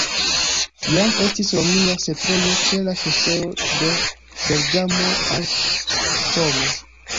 Jam estis romia setlejo ĉe la ŝoseo de Bergamo al Como.